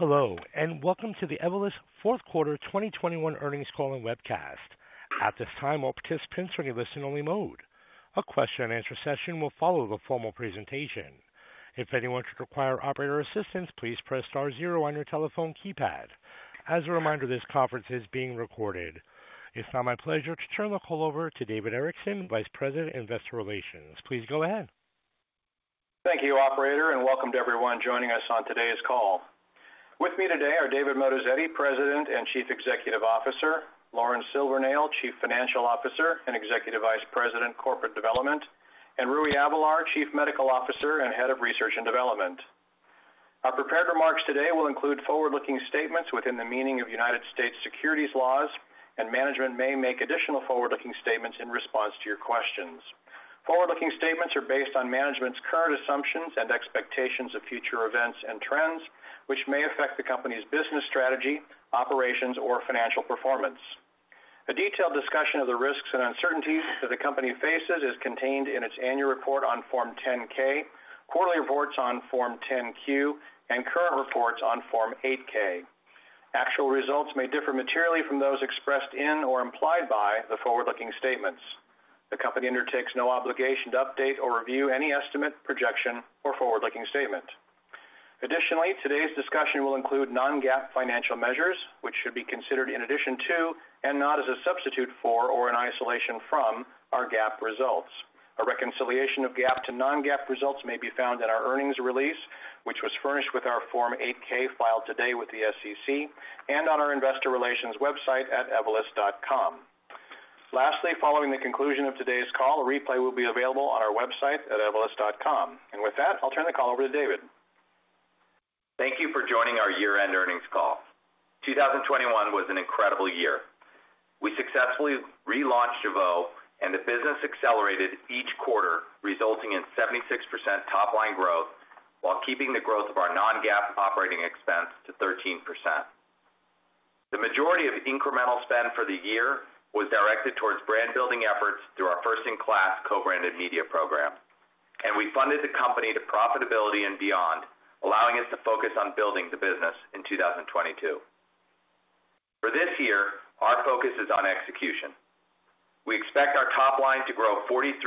Hello, and welcome to the Evolus fourth quarter 2021 earnings call and webcast. At this time, all participants are in a listen-only mode. A question-and-answer session will follow the formal presentation. If anyone should require operator assistance, please press star zero on your telephone keypad. As a reminder, this conference is being recorded. It's now my pleasure to turn the call over to David Erickson, Vice President, Investor Relations. Please go ahead. Thank you operator, and welcome to everyone joining us on today's call. With me today are David Moatazedi, President and Chief Executive Officer, Lauren Silvernail, Chief Financial Officer and Executive Vice President, Corporate Development, and Rui Avelar, Chief Medical Officer and Head of Research and Development. Our prepared remarks today will include forward-looking statements within the meaning of United States securities laws, and management may make additional forward-looking statements in response to your questions. Forward-looking statements are based on management's current assumptions and expectations of future events and trends, which may affect the company's business strategy, operations, or financial performance. A detailed discussion of the risks and uncertainties that the company faces is contained in its annual report on Form 10-K, quarterly reports on Form 10-Q, and current reports on Form 8-K. Actual results may differ materially from those expressed in or implied by the forward-looking statements. The company undertakes no obligation to update or review any estimate, projection, or forward-looking statement. Additionally, today's discussion will include non-GAAP financial measures, which should be considered in addition to and not as a substitute for or in isolation from our GAAP results. A reconciliation of GAAP to non-GAAP results may be found in our earnings release, which was furnished with our Form 8-K filed today with the SEC and on our investor relations website at evolus.com. Lastly, following the conclusion of today's call, a replay will be available on our website at evolus.com. With that, I'll turn the call over to David. Thank you for joining our year-end earnings call. 2021 was an incredible year. We successfully relaunched Jeuveau, and the business accelerated each quarter, resulting in 76% top line growth while keeping the growth of our non-GAAP operating expense to 13%. The majority of incremental spend for the year was directed towards brand building efforts through our first-in-class co-branded media program. We funded the company to profitability and beyond, allowing us to focus on building the business in 2022. For this year, our focus is on execution. We expect our top line to grow 43%-50%,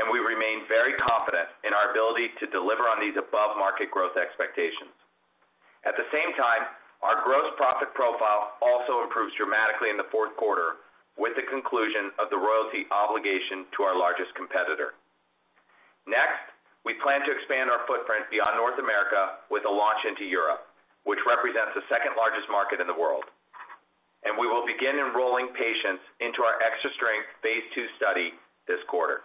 and we remain very confident in our ability to deliver on these above-market growth expectations. At the same time, our gross profit profile also improves dramatically in the fourth quarter with the conclusion of the royalty obligation to our largest competitor. Next, we plan to expand our footprint beyond North America with a launch into Europe, which represents the second largest market in the world. We will begin enrolling patients into our extra strength phase II study this quarter.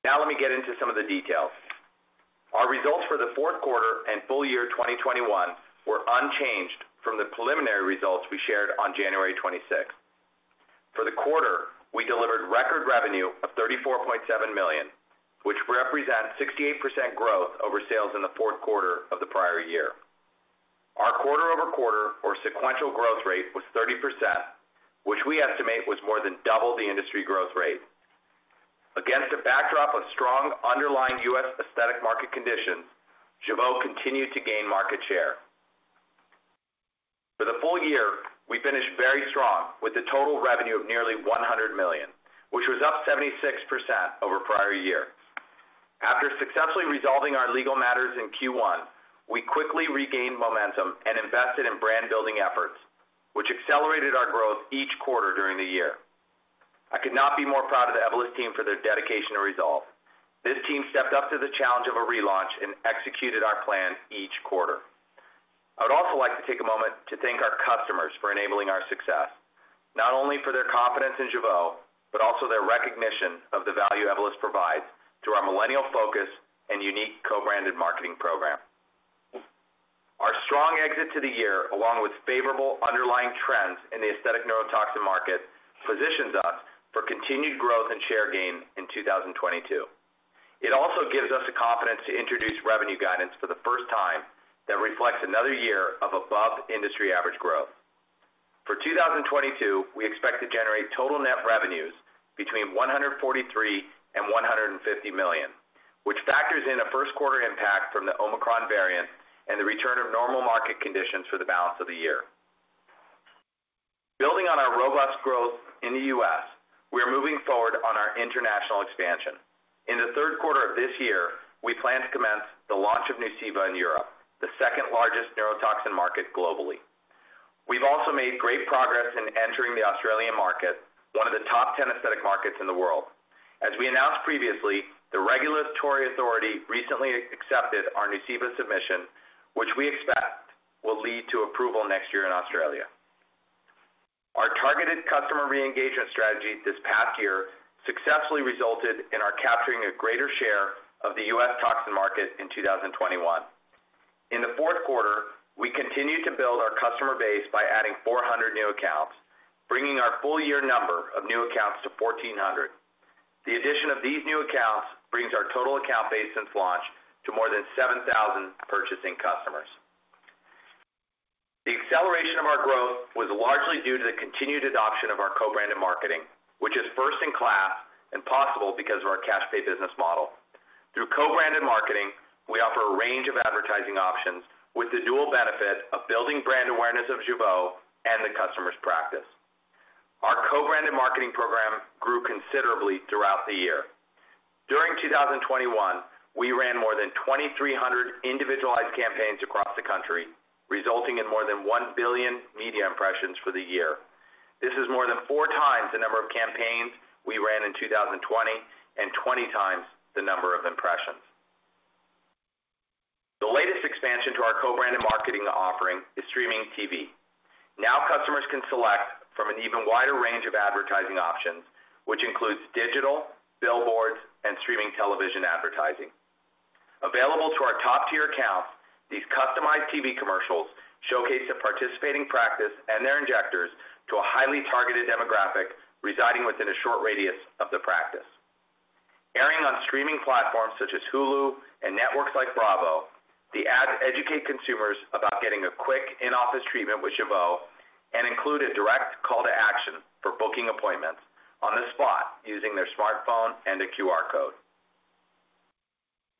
Now, let me get into some of the details. Our results for the fourth quarter and full year 2021 were unchanged from the preliminary results we shared on January 26th. For the quarter, we delivered record revenue of $34.7 million, which represents 68% growth over sales in the fourth quarter of the prior year. Our quarter-over-quarter or sequential growth rate was 30%, which we estimate was more than double the industry growth rate. Against a backdrop of strong underlying U.S. aesthetic market conditions, Jeuveau continued to gain market share. For the full year, we finished very strong with a total revenue of nearly $100 million, which was up 76% over prior year. After successfully resolving our legal matters in Q1, we quickly regained momentum and invested in brand building efforts, which accelerated our growth each quarter during the year. I could not be more proud of the Evolus team for their dedication and resolve. This team stepped up to the challenge of a relaunch and executed our plan each quarter. I would also like to take a moment to thank our customers for enabling our success, not only for their confidence in Jeuveau, but also their recognition of the value Evolus provides through our millennial focus and unique co-branded marketing program. Our strong exit to the year, along with favorable underlying trends in the aesthetic neurotoxin market, positions us for continued growth and share gain in 2022. It also gives us the confidence to introduce revenue guidance for the first time that reflects another year of above industry average growth. For 2022, we expect to generate total net revenues between $143 million and $150 million, which factors in a first quarter impact from the Omicron variant and the return of normal market conditions for the balance of the year. Building on our robust growth in the U.S., we are moving forward on our international expansion. In the third quarter of this year, we plan to commence the launch of Nuceiva in Europe, the second-largest neurotoxin market globally. We've also made great progress in entering the Australian market, one of the top 10 aesthetic markets in the world. As we announced previously, the regulatory authority recently accepted our Nuceiva submission, which we expect will lead to approval next year in Australia. Our targeted customer re-engagement strategy this past year successfully resulted in our capturing a greater share of the U.S. toxin market in 2021. In the fourth quarter, we continued to build our customer base by adding 400 new accounts, bringing our full year number of new accounts to 1,400. The addition of these new accounts brings our total account base since launch to more than 7,000 purchasing customers. The acceleration of our growth was largely due to the continued adoption of our co-branded marketing, which is first in class and possible because of our cash pay business model. Through co-branded marketing, we offer a range of advertising options with the dual benefit of building brand awareness of Jeuveau and the customer's practice. Our co-branded marketing program grew considerably throughout the year. During 2021, we ran more than 2,300 individualized campaigns across the country, resulting in more than 1 billion media impressions for the year. This is more than 4x the number of campaigns we ran in 2020 and 20x the number of impressions. The latest expansion to our co-branded marketing offering is streaming TV. Now, customers can select from an even wider range of advertising options, which includes digital, billboards, and streaming television advertising. Available to our top-tier accounts, these customized TV commercials showcase the participating practice and their injectors to a highly targeted demographic residing within a short radius of the practice. Airing on streaming platforms such as Hulu and networks like Bravo, the ads educate consumers about getting a quick in-office treatment with Jeuveau and include a direct call to action for booking appointments on the spot using their smartphone and a QR code.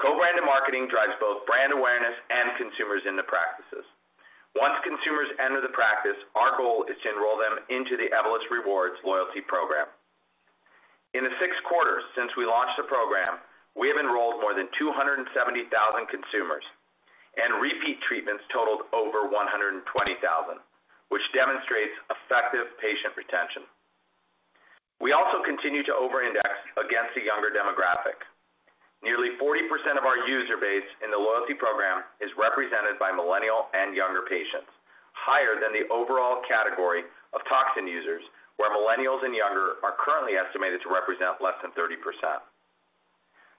Co-branded marketing drives both brand awareness and consumers into practices. Once consumers enter the practice, our goal is to enroll them into the Evolus Rewards loyalty program. In the six quarters since we launched the program, we have enrolled more than 270,000 consumers, and repeat treatments totaled over 120,000, which demonstrates effective patient retention. We also continue to over-index against the younger demographic. Nearly 40% of our user base in the loyalty program is represented by Millennial and younger patients, higher than the overall category of toxin users, where Millennials and younger are currently estimated to represent less than 30%.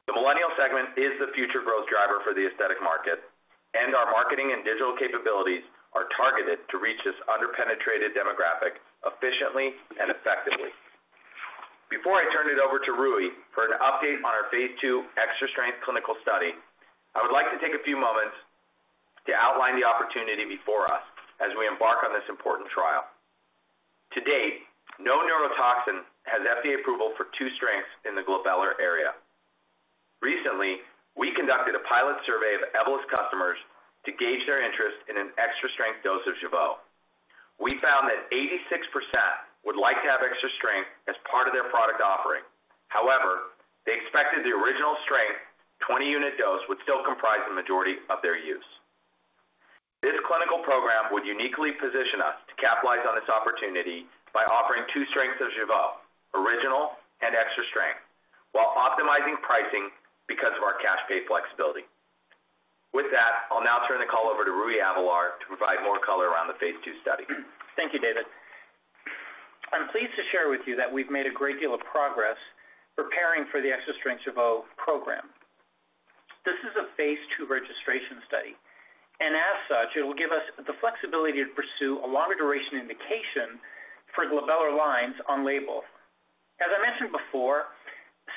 The Millennial segment is the future growth driver for the aesthetic market, and our marketing and digital capabilities are targeted to reach this under-penetrated demographic efficiently and effectively. Before I turn it over to Rui for an update on our phase II Extra Strength clinical study, I would like to take a few moments to outline the opportunity before us as we embark on this important trial. To date, no neurotoxin has FDA approval for two strengths in the glabellar area. Recently, we conducted a pilot survey of Evolus customers to gauge their interest in an extra-strength dose of Jeuveau. We found that 86% would like to have extra strength as part of their product offering. However, they expected the original strength 20-unit dose would still comprise the majority of their use. This clinical program would uniquely position us to capitalize on this opportunity by offering two strengths of Jeuveau, original and extra strength, while optimizing pricing because of our cash pay flexibility. With that, I'll now turn the call over to Rui Avelar to provide more color around the phase II study. Thank you, David. I'm pleased to share with you that we've made a great deal of progress preparing for the Extra Strength Jeuveau program. This is a phase II registration study, and as such, it will give us the flexibility to pursue a longer duration indication for glabellar lines on label. As I mentioned before,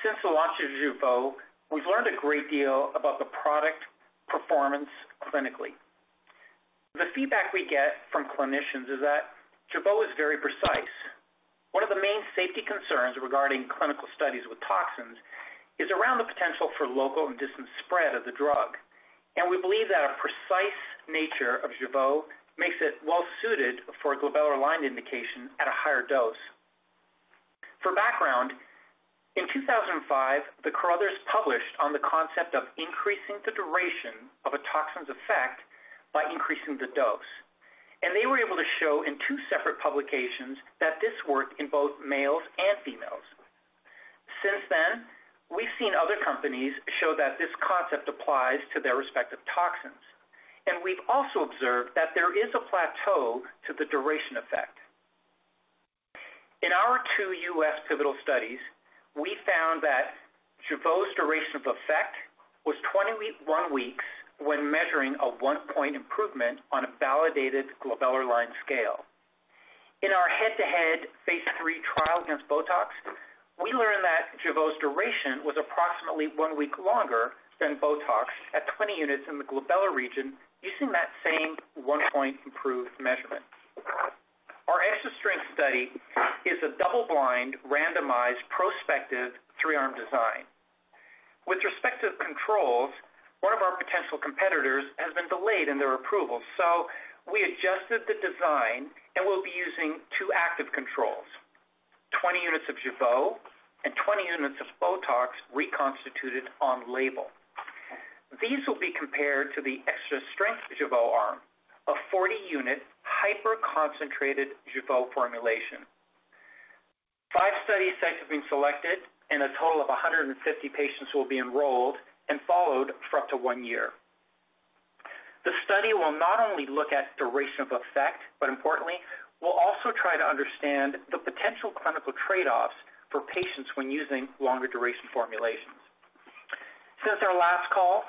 since the launch of Jeuveau, we've learned a great deal about the product performance clinically. The feedback we get from clinicians is that Jeuveau is very precise. One of the main safety concerns regarding clinical studies with toxins is around the potential for local and distant spread of the drug, and we believe that a precise nature of Jeuveau makes it well suited for a glabellar line indication at a higher dose. For background, in 2005, the Carothers published on the concept of increasing the duration of a toxin's effect by increasing the dose, and they were able to show in two separate publications that this worked in both males and females. Since then, we've seen other companies show that this concept applies to their respective toxins, and we've also observed that there is a plateau to the duration effect. In our two U.S. pivotal studies, we found that Jeuveau's duration of effect was 21 weeks when measuring a one-point improvement on a validated glabellar line scale. In our head-to-head phase III trial against BOTOX, we learned that Jeuveau's duration was approximately one week longer than BOTOX at 20 units in the glabellar region using that same 1-point improved measurement. Our Extra Strength study is a double-blind, randomized, prospective three-arm design. With respect to controls, one of our potential competitors has been delayed in their approval, so we adjusted the design and will be using two active controls, 20 units of Jeuveau and 20 units of BOTOX reconstituted on label. These will be compared to the Extra Strength Jeuveau arm, a 40-unit, hyper-concentrated Jeuveau formulation. five study sites have been selected, and a total of 150 patients will be enrolled and followed for up to one year. The study will not only look at duration of effect, but importantly, will also try to understand the potential clinical trade-offs for patients when using longer duration formulations. Since our last call,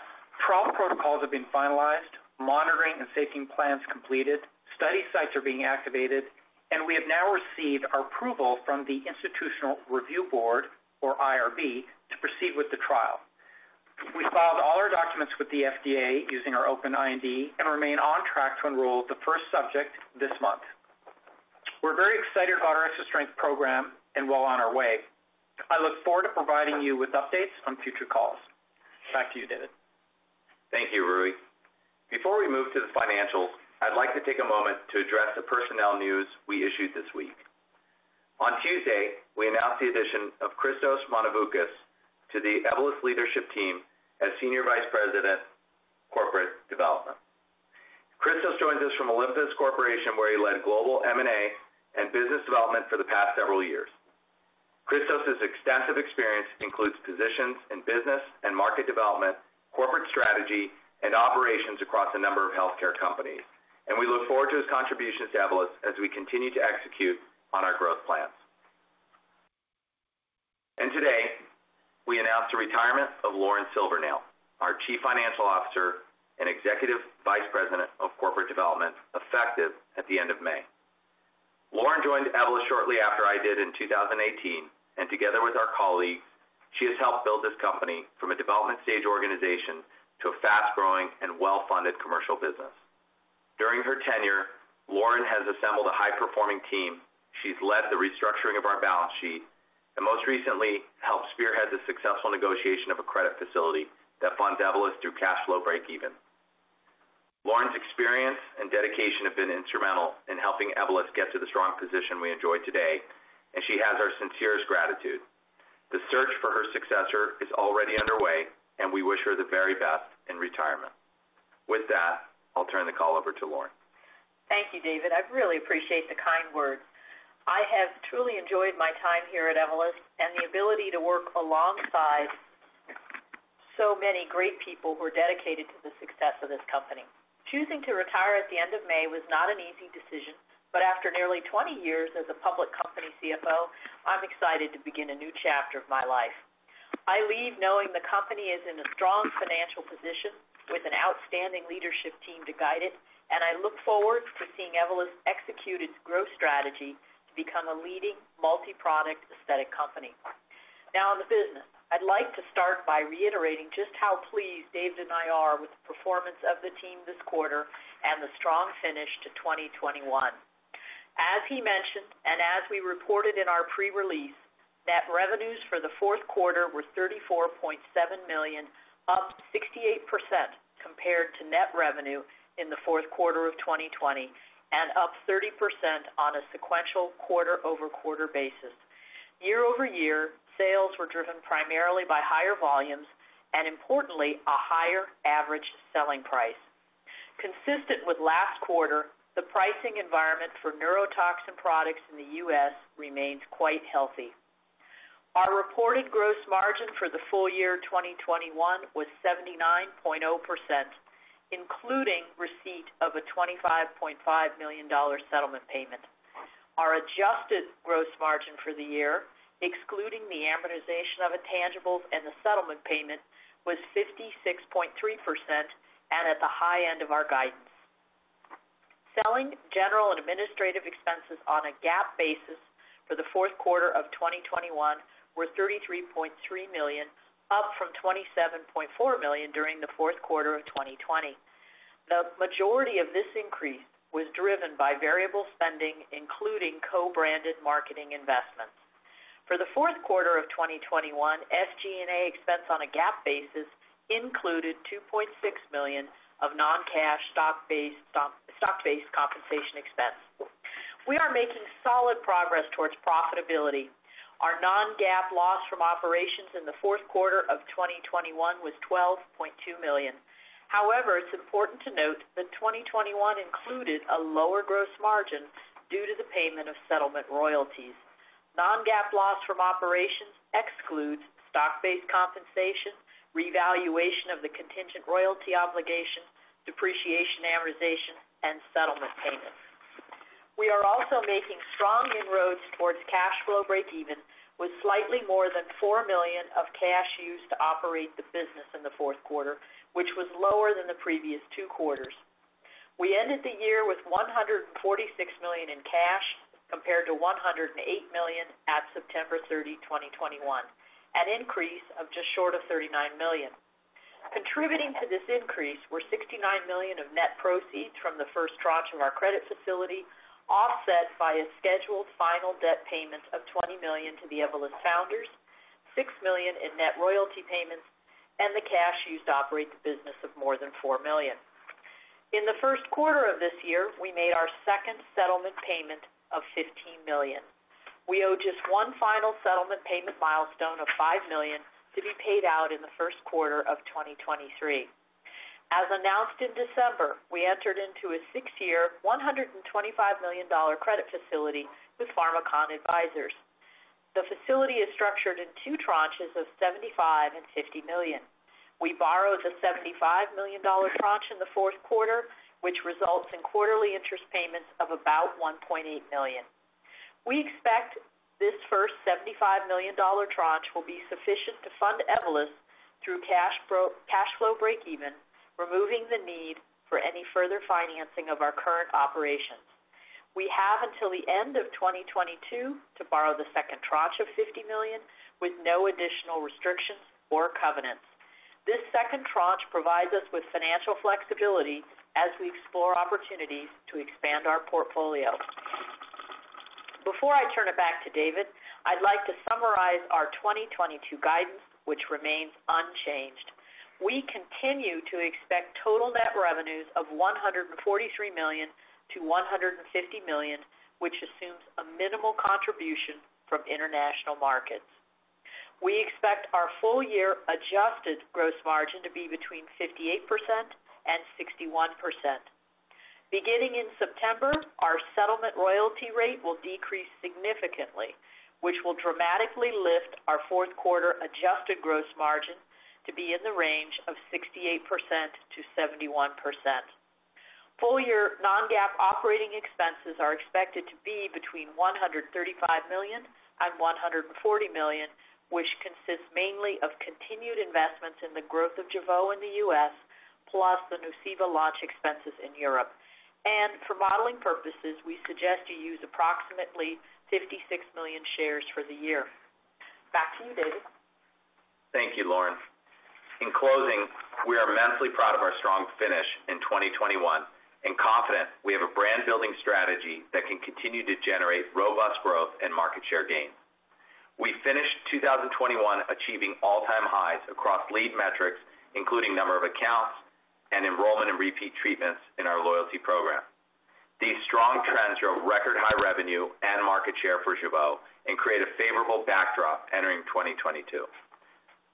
trial protocols have been finalized, monitoring and safety plans completed, study sites are being activated, and we have now received our approval from the Institutional Review Board or IRB to proceed with the trial. We filed all our documents with the FDA using our open IND and remain on track to enroll the first subject this month. We're very excited about our extra strength program and well on our way. I look forward to providing you with updates on future calls. Back to you, David. Thank you, Rui. Before we move to the financials, I'd like to take a moment to address the personnel news we issued this week. On Tuesday, we announced the addition of Christos Monovoukas to the Evolus leadership team as Senior Vice President, Corporate Development. Christos joins us from Olympus Corporation, where he led global M&A and business development for the past several years. Christos's extensive experience includes positions in business and market development, corporate strategy and operations across a number of healthcare companies, and we look forward to his contributions to Evolus as we continue to execute on our growth plans. Today, we announced the retirement of Lauren Silvernail, our Chief Financial Officer and Executive Vice President of Corporate Development, effective at the end of May. Lauren joined Evolus shortly after I did in 2018, and together with our colleagues, she has helped build this company from a development stage organization to a fast-growing and well-funded commercial business. During her tenure, Lauren has assembled a high-performing team. She's led the restructuring of our balance sheet and most recently helped spearhead the successful negotiation of a credit facility that funded Evolus through cash flow breakeven. Lauren's experience and dedication have been instrumental in helping Evolus get to the strong position we enjoy today, and she has our sincerest gratitude. The search for her successor is already underway, and we wish her the very best in retirement. With that, I'll turn the call over to Lauren. Thank you, David. I really appreciate the kind words. I have truly enjoyed my time here at Evolus and the ability to work alongside so many great people who are dedicated to the success of this company. Choosing to retire at the end of May was not an easy decision, but after nearly 20 years as a public company CFO, I'm excited to begin a new chapter of my life. I leave knowing the company is in a strong financial position with an outstanding leadership team to guide it. I look forward to seeing Evolus execute its growth strategy to become a leading multi-product aesthetic company. Now on the business. I'd like to start by reiterating just how pleased David and I are with the performance of the team this quarter and the strong finish to 2021. As he mentioned, and as we reported in our pre-release, net revenues for the fourth quarter were $34.7 million, up 68% compared to net revenue in the fourth quarter of 2020 and up 30% on a sequential quarter-over-quarter basis. Year over year, sales were driven primarily by higher volumes and importantly, a higher average selling price. Consistent with last quarter, the pricing environment for neurotoxin products in the U.S. remains quite healthy. Our reported gross margin for the full year 2021 was 79%, including receipt of a $25.5 million settlement payment. Our adjusted gross margin for the year, excluding the amortization of intangible and the settlement payment, was 56.3% and at the high end of our guidance. Selling, general and administrative expenses on a GAAP basis for the fourth quarter of 2021 were $33.3 million, up from $27.4 million during the fourth quarter of 2020. The majority of this increase was driven by variable spending, including co-branded marketing investments. For the fourth quarter of 2021, SG&A expense on a GAAP basis included $2.6 million of non-cash stock-based compensation expense. We are making solid progress towards profitability. Our non-GAAP loss from operations in the fourth quarter of 2021 was $12.2 million. However, it's important to note that 2021 included a lower gross margin due to the payment of settlement royalties. Non-GAAP loss from operations excludes stock-based compensation, revaluation of the contingent royalty obligation, depreciation, amortization, and settlement payments. We are also making strong inroads towards cash flow breakeven, with slightly more than $4 million of cash used to operate the business in the fourth quarter, which was lower than the previous two quarters. We ended the year with $146 million in cash, compared to $108 million at September 30, 2021, an increase of just short of $39 million. Contributing to this increase were $69 million of net proceeds from the first tranche of our credit facility, offset by a scheduled final debt payment of $20 million to the Evolus founders, $6 million in net royalty payments and the cash used to operate the business of more than $4 million. In the first quarter of this year, we made our second settlement payment of $15 million. We owe just one final settlement payment milestone of $5 million to be paid out in the first quarter of 2023. As announced in December, we entered into a six-year, $125 million credit facility with Pharmakon Advisors. The facility is structured in two tranches of $75 million and $50 million. We borrowed the $75 million tranche in the fourth quarter, which results in quarterly interest payments of about $1.8 million. We expect this first $75 million tranche will be sufficient to fund Evolus through cash flow breakeven, removing the need for any further financing of our current operations. We have until the end of 2022 to borrow the second tranche of $50 million with no additional restrictions or covenants. This second tranche provides us with financial flexibility as we explore opportunities to expand our portfolio. Before I turn it back to David, I'd like to summarize our 2022 guidance, which remains unchanged. We continue to expect total net revenues of $143 million-$150 million, which assumes a minimal contribution from international markets. We expect our full-year adjusted gross margin to be between 58% and 61%. Beginning in September, our settlement royalty rate will decrease significantly, which will dramatically lift our fourth quarter adjusted gross margin to be in the range of 68%-71%. Full-year non-GAAP operating expenses are expected to be between $135 million and $140 million, which consists mainly of continued investments in the growth of Jeuveau in the U.S., plus the Nuceiva launch expenses in Europe. For modeling purposes, we suggest you use approximately 56 million shares for the year. Back to you, David. Thank you, Lauren. In closing, we are immensely proud of our strong finish in 2021 and confident we have a brand building strategy that can continue to generate robust growth and market share gains. We finished 2021 achieving all-time highs across lead metrics, including number of accounts and enrollment and repeat treatments in our loyalty program. These strong trends drove record high revenue and market share for Jeuveau and create a favorable backdrop entering 2022.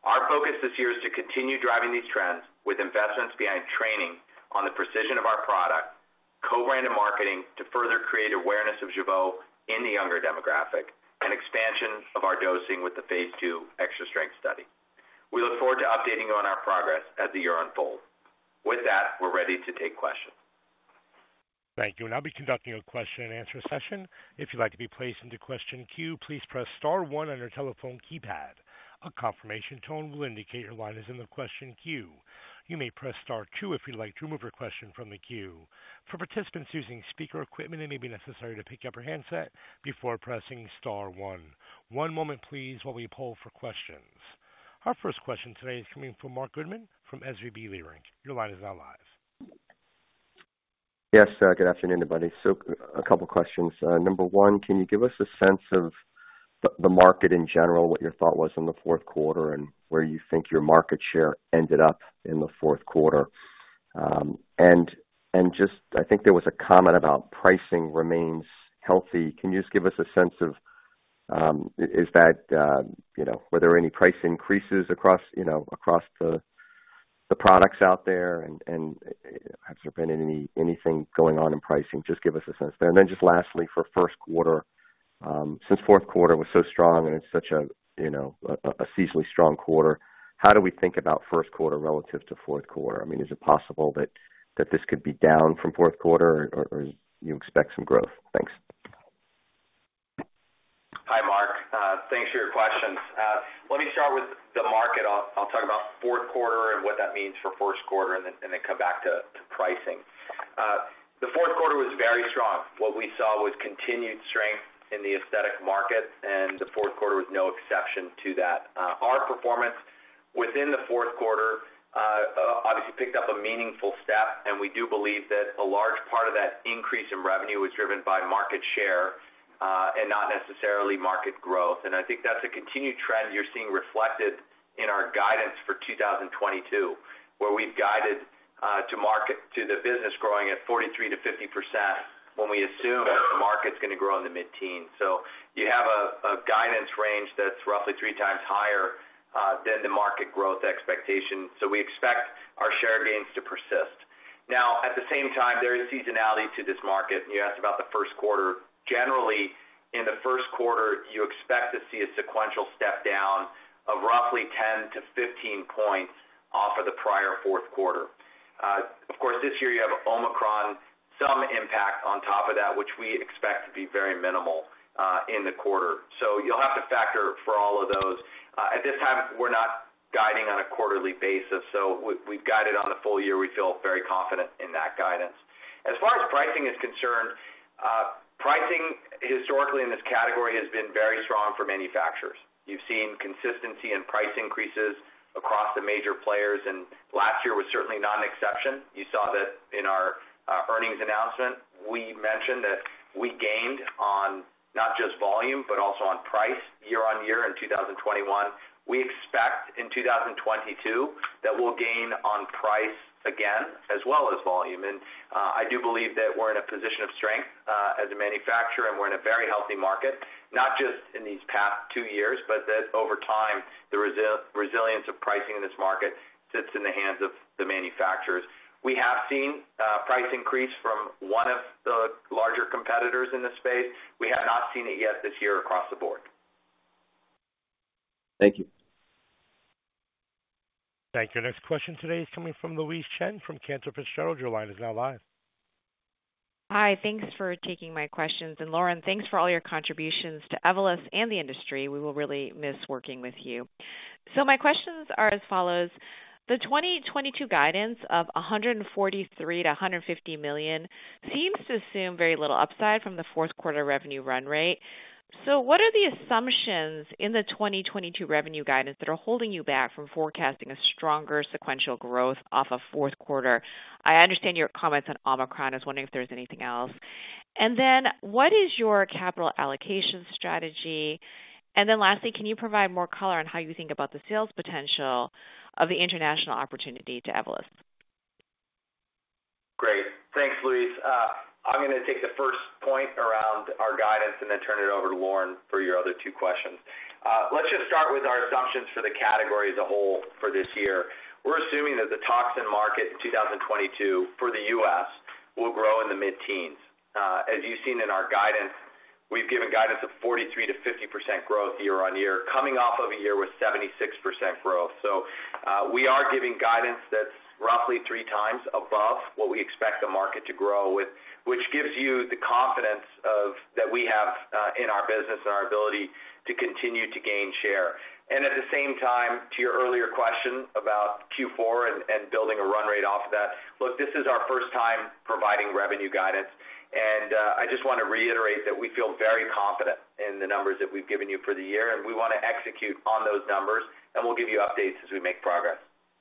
Our focus this year is to continue driving these trends with investments behind training on the precision of our product, co-branded marketing to further create awareness of Jeuveau in the younger demographic, an expansion of our dosing with the phase II extra strength study. We look forward to updating you on our progress as the year unfolds. With that, we're ready to take questions. Thank you. I'll be conducting a question-and-answer session. If you'd like to be placed into question queue, please press star one on your telephone keypad. A confirmation tone will indicate your line is in the question queue. You may press star two if you'd like to remove your question from the queue. For participants using speaker equipment, it may be necessary to pick up your handset before pressing star one. One moment please while we poll for questions. Our first question today is coming from Marc Goodman from SVB Leerink. Your line is now live. Yes. Good afternoon, everybody. A couple questions. Number one, can you give us a sense of the market in general, what your thought was in the fourth quarter and where you think your market share ended up in the fourth quarter? Just I think there was a comment about pricing remains healthy. Can you just give us a sense of is that, you know, were there any price increases across, you know, across the products out there and has there been anything going on in pricing? Just give us a sense there. Just lastly for first quarter, since fourth quarter was so strong and it's such a, you know, seasonally strong quarter, how do we think about first quarter relative to fourth quarter? I mean, is it possible that this could be down from fourth quarter or you expect some growth? Thanks. Hi, Mark. Thanks for your questions. Let me start with the market. I'll talk about fourth quarter and what that means for first quarter and then come back to pricing. The fourth quarter was very strong. What we saw was continued strength in the aesthetic market and the fourth quarter was no exception to that. Our performance within the fourth quarter obviously picked up a meaningful step, and we do believe that a large part of that increase in revenue was driven by market share and not necessarily market growth. I think that's a continued trend you're seeing reflected in our guidance for 2022, where we've guided the business to grow at 43%-50% when we assume that the market's gonna grow in the mid-teens. You have a guidance range that's roughly three times higher than the market growth expectation. We expect our share gains to persist. Now, at the same time, there is seasonality to this market, and you asked about the first quarter. Generally, in the first quarter, you expect to see a sequential step down of roughly 10-15 points off of the prior fourth quarter. Of course, this year you have Omicron, some impact on top of that, which we expect to be very minimal in the quarter. You'll have to factor for all of those. At this time, we're not guiding on a quarterly basis, we've guided on the full year. We feel very confident in that guidance. As far as pricing is concerned, pricing historically in this category has been very strong for manufacturers. You've seen consistency in price increases across the major players, and last year was certainly not an exception. You saw that in our earnings announcement, we mentioned that we gained on not just volume, but also on price year on year in 2021. We expect in 2022 that we'll gain on price again as well as volume. I do believe that we're in a position of strength as a manufacturer, and we're in a very healthy market, not just in these past two years, but that over time, the resilience of pricing in this market sits in the hands of the manufacturers. We have seen a price increase from one of the larger competitors in this space. We have not seen it yet this year across the board. Thank you. Thank you. Next question today is coming from Louise Chen from Cantor Fitzgerald. Your line is now live. Hi. Thanks for taking my questions. Lauren, thanks for all your contributions to Evolus and the industry. We will really miss working with you. My questions are as follows. The 2022 guidance of $143 million-$150 million seems to assume very little upside from the fourth quarter revenue run rate. What are the assumptions in the 2022 revenue guidance that are holding you back from forecasting a stronger sequential growth off of fourth quarter? I understand your comments on Omicron. I was wondering if there was anything else. What is your capital allocation strategy? Lastly, can you provide more color on how you think about the sales potential of the international opportunity to Evolus? Great. Thanks, Louise. I'm gonna take the first point around our guidance and then turn it over to Lauren for your other two questions. Let's just start with our assumptions for the category as a whole for this year. We're assuming that the toxin market in 2022 for the U.S. will grow in the mid-teens. As you've seen in our guidance, we've given guidance of 43%-50% growth year-over-year, coming off of a year with 76% growth. We are giving guidance that's roughly three times above what we expect the market to grow with, which gives you the confidence that we have in our business and our ability to continue to gain share. At the same time, to your earlier question about Q4 and building a run rate off of that, look, this is our first time providing revenue guidance. I just wanna reiterate that we feel very confident in the numbers that we've given you for the year, and we wanna execute on those numbers, and we'll give you updates as we make progress.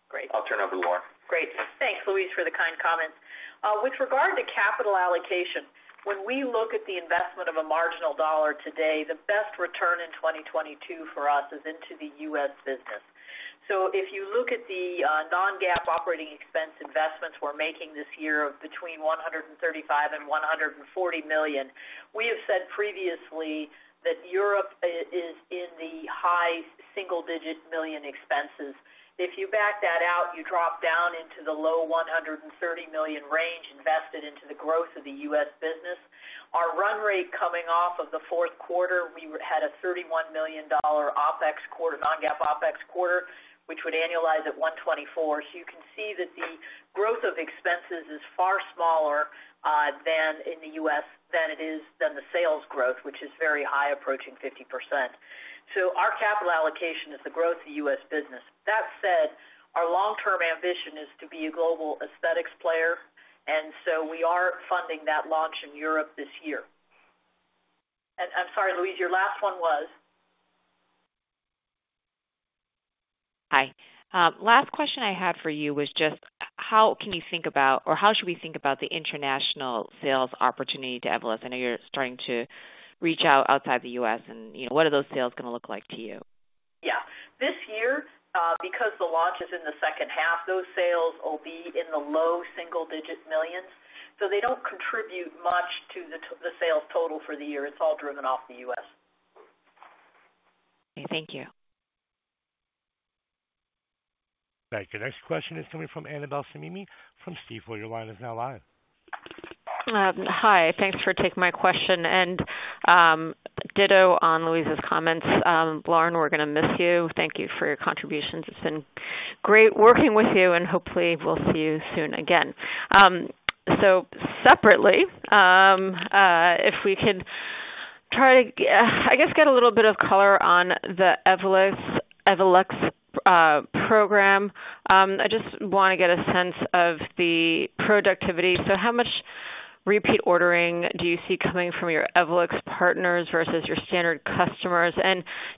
Great. I'll turn it over to Lauren. Great. Thanks, Louise, for the kind comments. With regard to capital allocation, when we look at the investment of a marginal dollar today, the best return in 2022 for us is into the U.S. business. If you look at the non-GAAP operating expense investments we're making this year of between $135 million and $140 million, we have said previously that Europe is in the high single-digit million expenses. If you back that out, you drop down into the low $130 million range invested into the growth of the U.S. business. Our run rate coming off of the fourth quarter, we had a $31 million OpEx quarter, non-GAAP OpEx quarter, which would annualize at $124 million. You can see that the growth of expenses is far smaller than the sales growth, which is very high, approaching 50%. Our capital allocation is the growth of U.S. business. That said, our long-term ambition is to be a global aesthetics player, and so we are funding that launch in Europe this year. I'm sorry, Louise, your last one was? Hi. Last question I had for you was just how can you think about or how should we think about the international sales opportunity to Evolus? I know you're starting to reach out outside the U.S. and, you know, what are those sales gonna look like to you? This year, because the launch is in the second half, those sales will be in the low single-digit millions, so they don't contribute much to the sales total for the year. It's all driven by the U.S. Okay, thank you. Thank you. Next question is coming from Annabel Samimy from Stifel. Your line is now live. Hi, thanks for taking my question. Ditto on Louise's comments. Lauren, we're gonna miss you. Thank you for your contributions. It's been great working with you, and hopefully we'll see you soon again. Separately, if we could try to, I guess get a little bit of color on the Evolus Evolux program. I just wanna get a sense of the productivity. How much repeat ordering do you see coming from your Evolux partners versus your standard customers?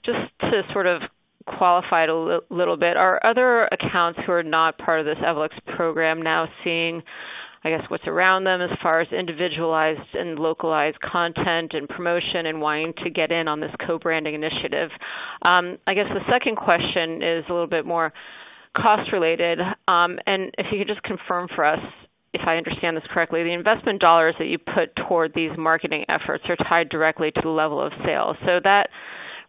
Just to sort of qualify it a little bit, are other accounts who are not part of this Evolux program now seeing, I guess, what's around them as far as individualized and localized content and promotion and wanting to get in on this co-branding initiative? I guess the second question is a little bit more cost related. If you could just confirm for us, if I understand this correctly, the investment dollars that you put toward these marketing efforts are tied directly to the level of sales. That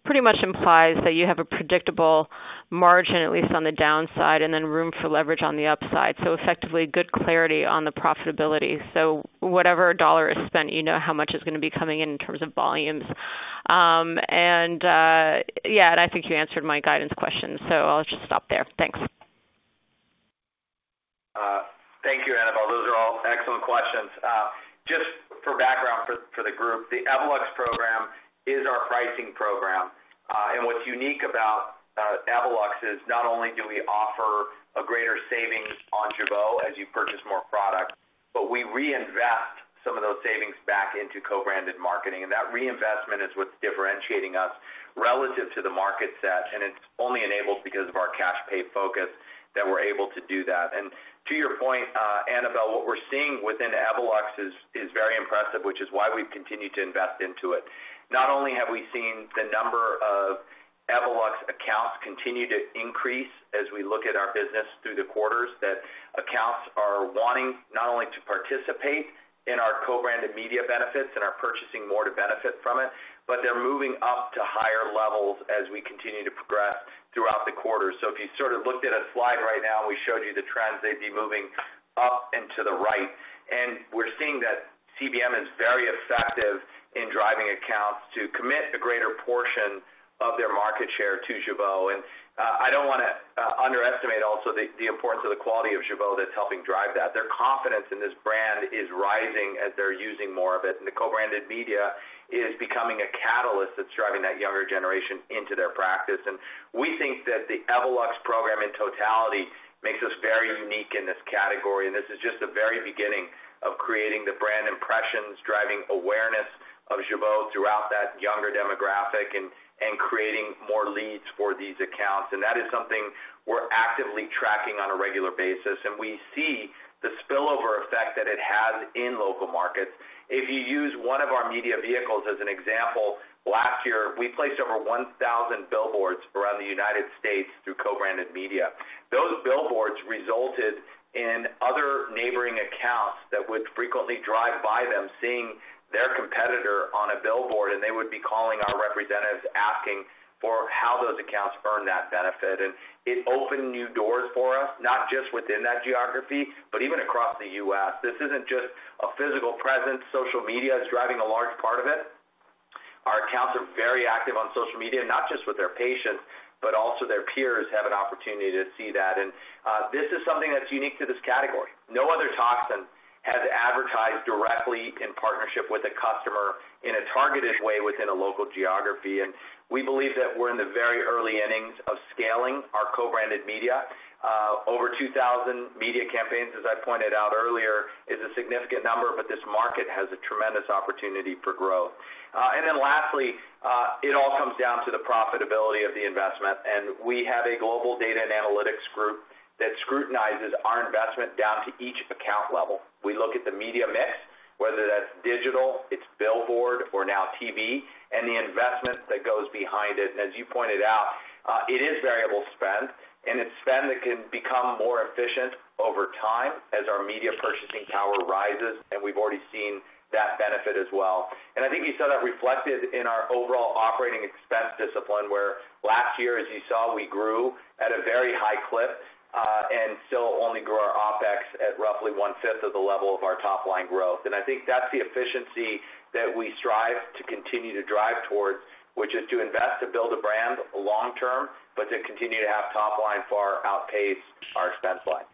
pretty much implies that you have a predictable margin, at least on the downside, and then room for leverage on the upside. Effectively good clarity on the profitability. Whatever dollar is spent, you know how much is gonna be coming in terms of volumes. I think you answered my guidance question, so I'll just stop there. Thanks. Thank you, Annabel. Those are all excellent questions. Just for background for the group, the Evolux program is our pricing program. What's unique about Evolux is not only do we offer a greater savings on Jeuveau as you purchase more product, but we reinvest some of those savings back into co-branded marketing. That reinvestment is what's differentiating us relative to the market set, and it's only enabled because of our cash pay focus that we're able to do that. To your point, Annabel, what we're seeing within Evolux is very impressive, which is why we've continued to invest into it. Not only have we seen the number of Evolux accounts continue to increase as we look at our business through the quarters, that accounts are wanting not only to participate in our co-branded media benefits and are purchasing more to benefit from it, but they're moving up to higher levels as we continue to progress throughout the quarter. If you sort of looked at a slide right now and we showed you the trends, they'd be moving up and to the right. We're seeing that CBM is very effective in driving accounts to commit a greater portion of their market share to Jeuveau. I don't wanna underestimate the importance of the quality of Jeuveau that's helping drive that. Their confidence in this brand is rising as they're using more of it, and the co-branded media is becoming a catalyst that's driving that younger generation into their practice. We think that the Evolux program in totality makes us very unique in this category. This is just the very beginning of creating the brand impressions, driving awareness of Jeuveau throughout that younger demographic and creating more leads for these accounts. That is something we're actively tracking on a regular basis, and we see the spillover effect that it has in local markets. If you use one of our media vehicles as an example, last year, we placed over 1,000 billboards around the United States through co-branded media. Those billboards resulted in other neighboring accounts that would frequently drive by them, seeing their competitor on a billboard, and they would be calling our representatives asking for how those accounts earn that benefit. It opened new doors for us, not just within that geography, but even across the U.S. This isn't just a physical presence. Social media is driving a large part of it. Our accounts are very active on social media, not just with their patients, but also their peers have an opportunity to see that. This is something that's unique to this category. No other toxin has advertised directly in partnership with a customer in a targeted way within a local geography. We believe that we're in the very early innings of scaling our co-branded media. Over 2,000 media campaigns, as I pointed out earlier, is a significant number, but this market has a tremendous opportunity for growth. Lastly, it all comes down to the profitability of the investment. We have a global data and analytics group that scrutinizes our investment down to each account level. We look at the media mix, whether that's digital, it's billboard or now TV, and the investment that goes behind it. As you pointed out, it is variable spend, and it's spend that can become more efficient over time as our media purchasing power rises, and we've already seen that benefit as well. I think you saw that reflected in our overall operating expense discipline, where last year, as you saw, we grew at a very high clip, and still only grew our OpEx at roughly one-fifth of the level of our top line growth. I think that's the efficiency that we strive to continue to drive towards, which is to invest, to build a brand long term, but to continue to have top line far outpace our expense line.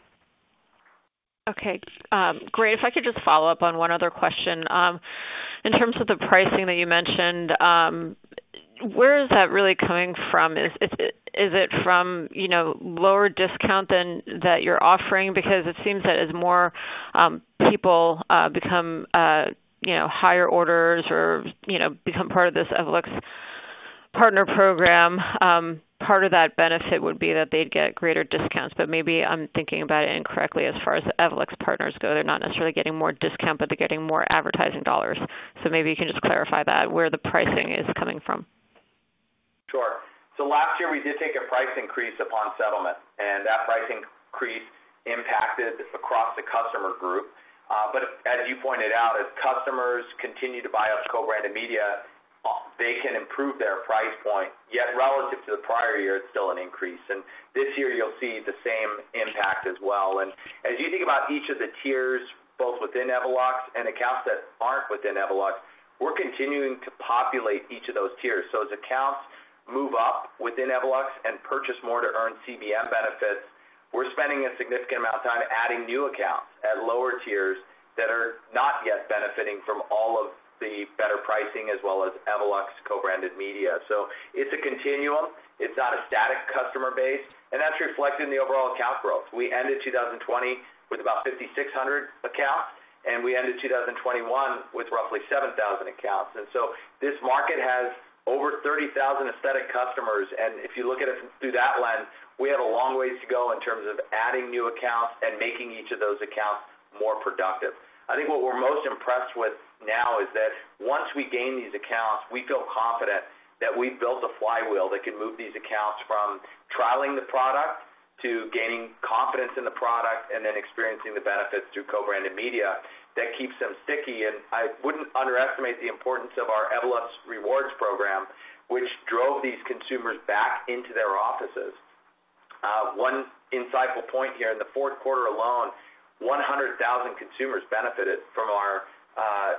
Okay. Great. If I could just follow up on one other question. In terms of the pricing that you mentioned, where is that really coming from? Is it from, you know, lower discount than that you're offering? Because it seems that as more people become, you know, higher orders or, you know, become part of this Evolux partner program, part of that benefit would be that they'd get greater discounts. Maybe I'm thinking about it incorrectly as far as the Evolux partners go. They're not necessarily getting more discount, but they're getting more advertising dollars. Maybe you can just clarify that, where the pricing is coming from. Sure. Last year, we did take a price increase upon settlement, and that price increase impacted across the customer group. As you pointed out, as customers continue to buy up co-branded media, they can improve their price point. Yet relative to the prior year, it's still an increase. This year you'll see the same impact as well. As you think about each of the tiers, both within Evolux and accounts that aren't within Evolux, we're continuing to populate each of those tiers. As accounts move up within Evolux and purchase more to earn CBM benefits, we're spending a significant amount of time adding new accounts at lower tiers that are not yet benefiting from all of the better pricing as well as Evolux co-branded media. It's a continuum. It's not a static customer base, and that's reflected in the overall account growth. We ended 2020 with about 5,600 accounts, and we ended 2021 with roughly 7,000 accounts. This market has over 30,000 aesthetic customers. If you look at it through that lens, we have a long ways to go in terms of adding new accounts and making each of those accounts more productive. I think what we're most impressed with now is that once we gain these accounts, we feel confident that we've built a flywheel that can move these accounts from trialing the product to gaining confidence in the product and then experiencing the benefits through co-branded media that keeps them sticky. I wouldn't underestimate the importance of our Evolux rewards program, which drove these consumers back into their offices. One insightful point here. In the fourth quarter alone, 100,000 consumers benefited from our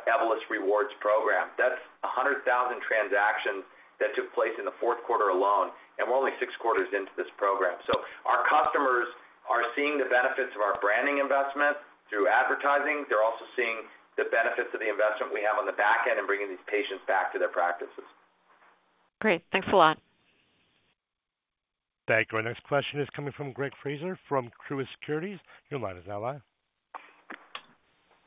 Evolus Rewards program. That's 100,000 transactions that took place in the fourth quarter alone, and we're only six quarters into this program. Our customers are seeing the benefits of our branding investment through advertising. They're also seeing the benefits of the investment we have on the back end and bringing these patients back to their practices. Great. Thanks a lot. Thank you. Our next question is coming from Greg Fraser from Truist Securities. Your line is now live.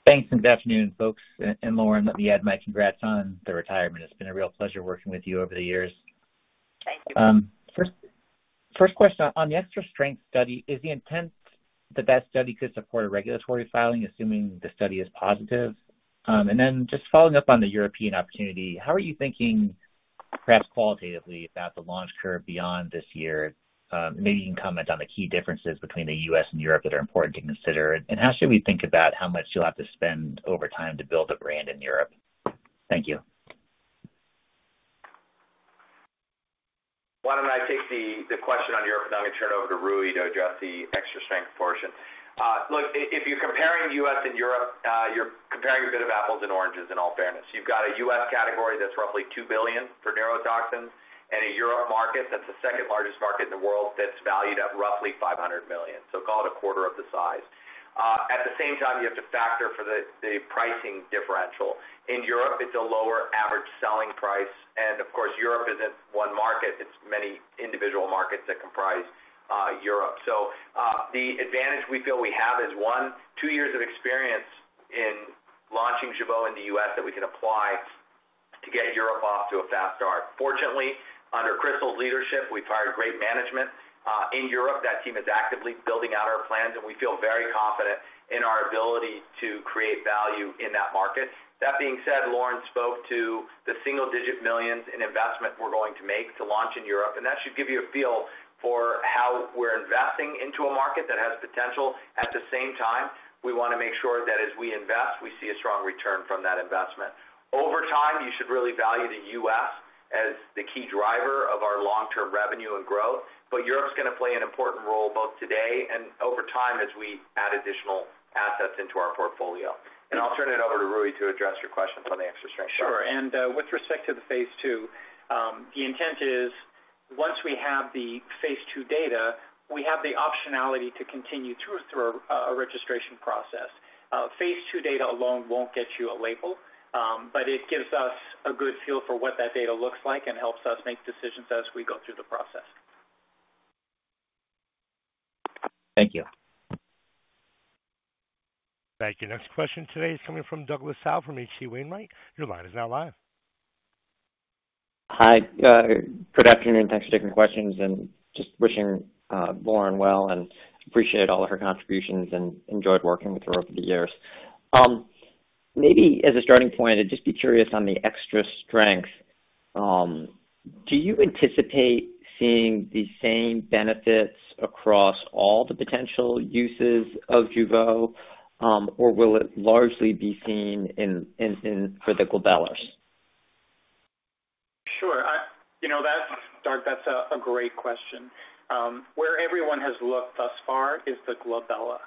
Thanks, and good afternoon, folks. Lauren, let me add my congrats on the retirement. It's been a real pleasure working with you over the years. First question. On the extra strength study, is the intent that that study could support a regulatory filing, assuming the study is positive? Just following up on the European opportunity, how are you thinking, perhaps qualitatively, about the launch curve beyond this year? Maybe you can comment on the key differences between the U.S. and Europe that are important to consider, and how should we think about how much you'll have to spend over time to build a brand in Europe? Thank you. I take the question on Europe and I'm gonna turn it over to Rui to address the extra strength portion. Look, if you're comparing U.S. and Europe, you're comparing a bit of apples and oranges in all fairness. You've got a U.S. category that's roughly $2 billion for neurotoxins and a Europe market that's the second largest market in the world that's valued at roughly $500 million. Call it a quarter of the size. At the same time, you have to factor for the pricing differential. In Europe, it's a lower average selling price. Of course, Europe isn't one market, it's many individual markets that comprise Europe. The advantage we feel we have is 1-2 years of experience in launching Jeuveau in the U.S. that we can apply to get Europe off to a fast start. Fortunately, under Crystal's leadership, we've hired great management in Europe. That team is actively building out our plans, and we feel very confident in our ability to create value in that market. That being said, Lauren spoke to the $ single-digit millions in investment we're going to make to launch in Europe, and that should give you a feel for how we're investing into a market that has potential. At the same time, we wanna make sure that as we invest, we see a strong return from that investment. Over time, you should really value the U.S. as the key driver of our long-term revenue and growth, but Europe's gonna play an important role both today and over time as we add additional assets into our portfolio. I'll turn it over to Rui to address your questions on the extra strength. Sure. With respect to the phase II, the intent is once we have the phase II data, we have the optionality to continue through a registration process. Phase II data alone won't get you a label, but it gives us a good feel for what that data looks like and helps us make decisions as we go through the process. Thank you. Thank you. Next question today is coming from Douglas Tsao from H.C. Wainwright. Your line is now live. Hi. Good afternoon. Thanks for taking questions and just wishing Lauren well and appreciate all of her contributions and enjoyed working with her over the years. Maybe as a starting point, I'd just be curious on the extra strength. Do you anticipate seeing the same benefits across all the potential uses of Jeuveau, or will it largely be seen for the glabella? Sure. You know, that's a great question, Doug. Where everyone has looked thus far is the glabella.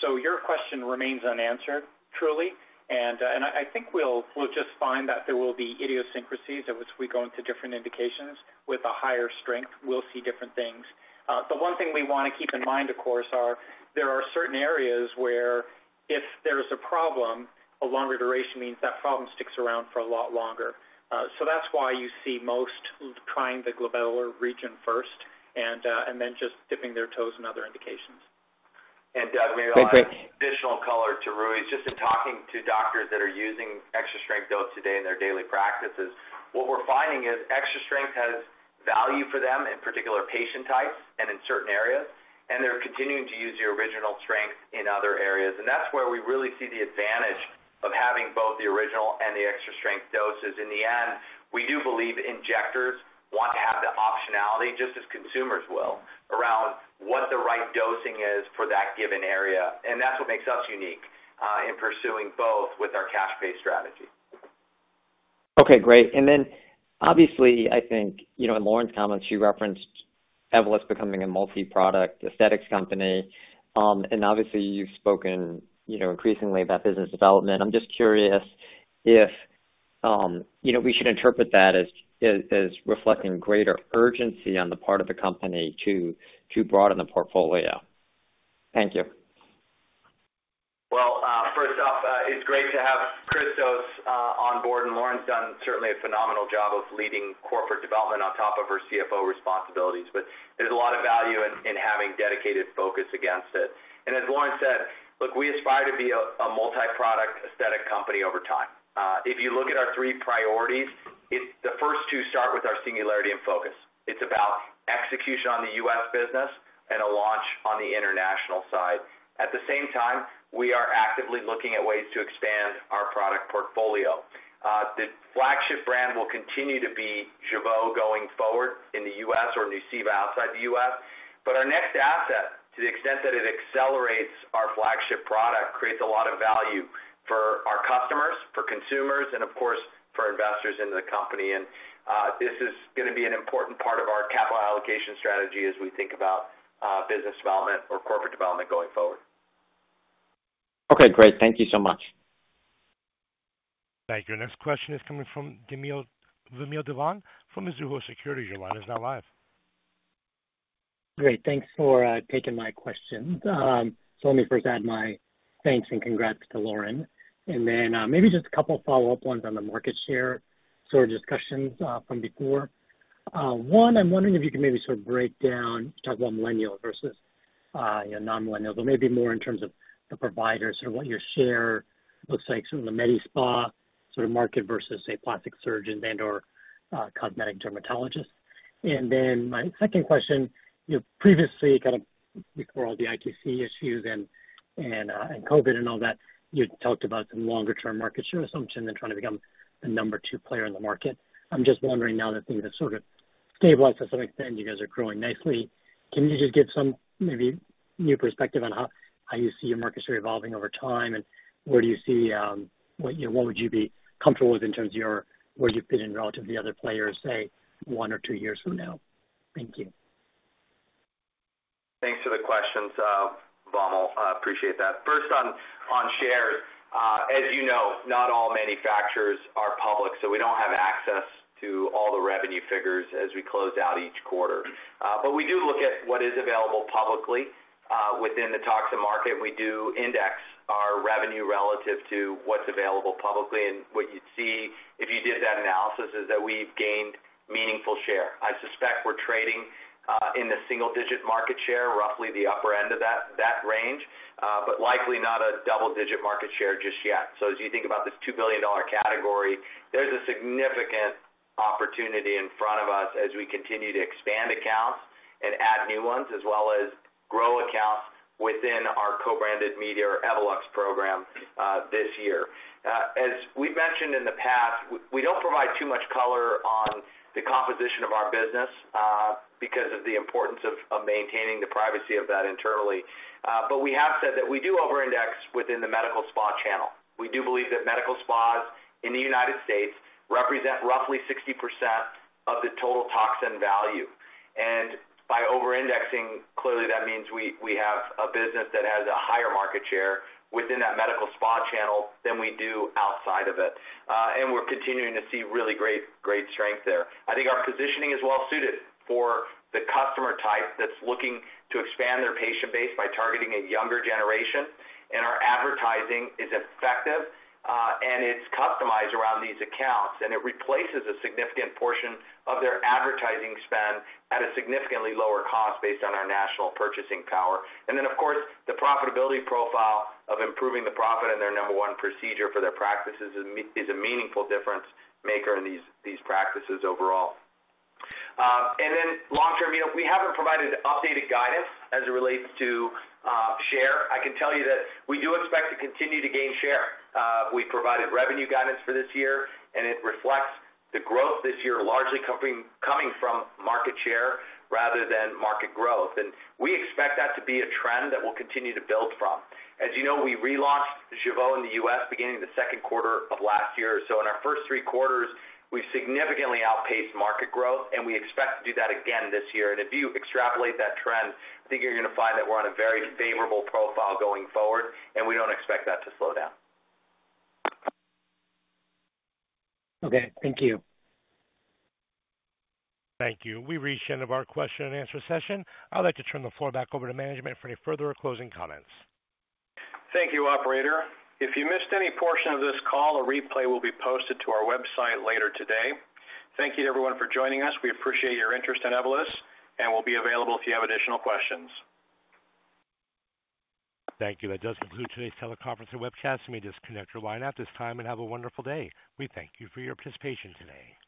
So your question remains unanswered, truly. I think we'll just find that there will be idiosyncrasies in which we go into different indications. With a higher strength, we'll see different things. The one thing we wanna keep in mind, of course, is that there are certain areas where if there's a problem, a longer duration means that problem sticks around for a lot longer. So that's why you see most trying the glabella region first and then just dipping their toes in other indications. Doug, maybe I'll add additional color to Rui. Just in talking to doctors that are using extra strength dose today in their daily practices, what we're finding is extra strength has value for them in particular patient types and in certain areas, and they're continuing to use the original strength in other areas. That's where we really see the advantage of having both the original and the extra strength doses. In the end, we do believe injectors want to have the optionality, just as consumers will, around what the right dosing is for that given area. That's what makes us unique in pursuing both with our cash-based strategy. Okay, great. Obviously, I think, you know, in Lauren's comments, she referenced Evolus becoming a multi-product aesthetics company. Obviously, you've spoken, you know, increasingly about business development. I'm just curious if, you know, we should interpret that as reflecting greater urgency on the part of the company to broaden the portfolio. Thank you. Well, first off, it's great to have Christos on board, and Lauren's done certainly a phenomenal job of leading corporate development on top of her CFO responsibilities. But there's a lot of value in having dedicated focus against it. As Lauren said, look, we aspire to be a multi-product aesthetic company over time. If you look at our three priorities, the first two start with our singularity and focus. It's about execution on the U.S. business and a launch on the international side. At the same time, we are actively looking at ways to expand our product portfolio. The flagship brand will continue to be Jeuveau going forward in the U.S. or Nuceiva outside the U.S. Our next asset, to the extent that it accelerates our flagship product, creates a lot of value for our customers, for consumers, and of course, for investors into the company. This is gonna be an important part of our capital allocation strategy as we think about, business development or corporate development going forward. Okay, great. Thank you so much. Thank you. Next question is coming from Vamil Divan from Mizuho Securities. Your line is now live. Great. Thanks for taking my questions. Let me first add my thanks and congrats to Lauren. Maybe just a couple follow-up ones on the market share sort of discussions from before. One, I'm wondering if you can maybe sort of break down. You talked about millennials versus you know non-millennials, but maybe more in terms of the providers or what your share looks like. In the MedSpa sort of market versus say plastic surgeons and/or cosmetic dermatologists. My second question, you previously kind of before all the ITC issues and COVID and all that, you talked about some longer term market share assumption than trying to become the number 2 player in the market. I'm just wondering now that things have sort of stabilized to some extent, you guys are growing nicely. Can you just give some maybe new perspective on how you see your market share evolving over time, and where do you see, you know, what would you be comfortable with in terms of your where you fit in relative to the other players, say, one or two years from now? Thank you. Thanks for the questions, Vamil. I appreciate that. First on shares. As you know, not all manufacturers are public, so we don't have access to all the revenue figures as we close out each quarter. But we do look at what is available publicly within the toxin market. We do index our revenue relative to what's available publicly and what you'd see if you did that analysis is that we've gained meaningful share. I suspect we're trading in the single digit market share, roughly the upper end of that range, but likely not a double-digit market share just yet. As you think about this $2 billion category, there's a significant opportunity in front of us as we continue to expand accounts and add new ones as well as grow accounts within our co-branded media or Evolux program this year. As we've mentioned in the past, we don't provide too much color on the composition of our business, because of the importance of maintaining the privacy of that internally. We have said that we do over-index within the medical spa channel. We do believe that medical spas in the United States represent roughly 60% of the total toxin value. By over-indexing, clearly that means we have a business that has a higher market share within that medical spa channel than we do outside of it. We're continuing to see really great strength there. I think our positioning is well suited for the customer type that's looking to expand their patient base by targeting a younger generation. Our advertising is effective, and it's customized around these accounts, and it replaces a significant portion of their advertising spend at a significantly lower cost based on our national purchasing power. Then, of course, the profitability profile of improving the profit and their number one procedure for their practices is a meaningful difference maker in these practices overall. Long-term, you know, we haven't provided updated guidance as it relates to share. I can tell you that we do expect to continue to gain share. We provided revenue guidance for this year, and it reflects the growth this year, largely coming from market share rather than market growth. We expect that to be a trend that we'll continue to build from. As you know, we relaunched Jeuveau in the U.S. beginning the second quarter of last year. In our first three quarters, we've significantly outpaced market growth, and we expect to do that again this year. If you extrapolate that trend, I think you're gonna find that we're on a very favorable profile going forward, and we don't expect that to slow down. Okay, thank you. Thank you. We've reached the end of our question and answer session. I'd like to turn the floor back over to management for any further closing comments. Thank you, operator. If you missed any portion of this call, a replay will be posted to our website later today. Thank you everyone for joining us. We appreciate your interest in Evolus and we'll be available if you have additional questions. Thank you. That does conclude today's teleconference and webcast. You may disconnect your line at this time and have a wonderful day. We thank you for your participation today.